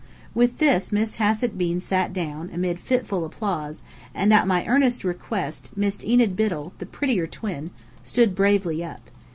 With this Miss Hassett Bean sat down, amid fitful applause; and at my earnest request, Miss Enid Biddell, the prettier twin, stood bravely up.